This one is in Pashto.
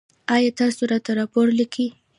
ایا تاسو راته راپور لیکئ؟